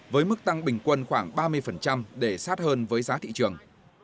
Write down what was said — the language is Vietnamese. với mức tăng bình quân khoảng ba mươi để sát hơn với giá thị trường